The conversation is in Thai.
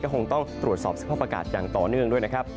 คงต้องตรวจสอบสภาพอากาศอย่างต่อเนื่องด้วยนะครับ